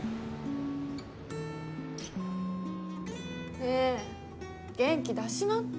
ねえ元気出しなって。